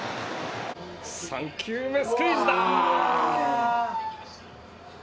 ３球目、スクイズだ！